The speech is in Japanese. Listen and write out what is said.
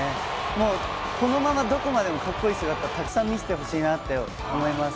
もうこのままどこまでもかっこいい姿をたくさん見せてほしいなって思います。